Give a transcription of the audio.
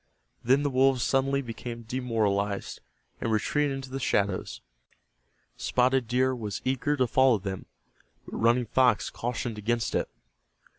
Then the wolves suddenly became demoralized, and retreated into the shadows. Spotted Deer was eager to follow them, but Running Fox cautioned against it.